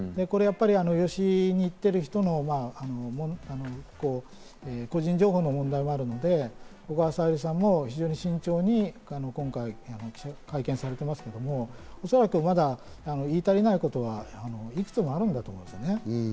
これやっぱり養子に行ってる人の個人情報の問題があるので、小川さゆりさんも非常に慎重に今回、記者会見されてますけど、恐らくまだ言い足りないことはいくつもあるんだと思いますね。